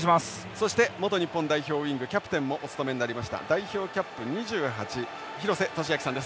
そして元日本代表ウイングキャプテンもお務めになりました代表キャップ２８廣瀬俊朗さんです。